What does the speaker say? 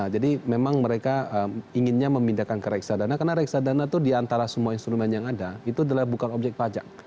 jadi memang mereka inginnya memindahkan ke reksadana karena reksadana itu diantara semua instrumen yang ada itu adalah bukan objek pajak